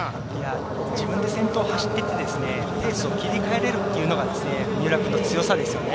自分で先頭を走っていてペースを切り替えれるっていうのが三浦君の強さですよね。